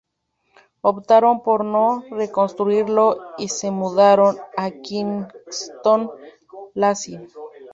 Optaron por no reconstruirlo y se mudaron a Kingston Lacy.